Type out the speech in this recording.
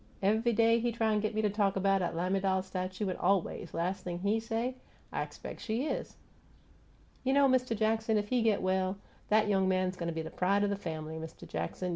Ev'y day he try t' git me talk 'bout 'at lamiDAL statue, an' aw ways, las' thing HE say, 'I expec' she is!' You know, Mist' Jackson, if he git well, 'at young man go' be pride o' the family, Mist' Jackson.